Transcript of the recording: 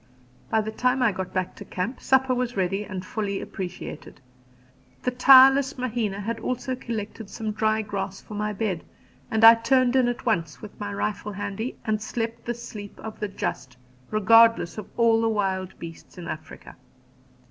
By the time I got back to camp supper was ready and fully appreciated. The tireless Mahina had also collected some dry grass for my bed, and I turned in at once, with my rifle handy, and slept the sleep of the just, regardless of all the wild beasts in Africa.